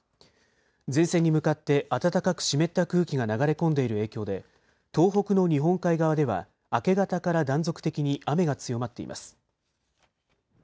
前線に向かって暖かく湿った空気が流れ込んでいる影響で東北の日本海側では明け方から断続的に雨が強まっています。